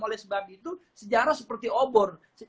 oleh sebab itu sejarah seperti obor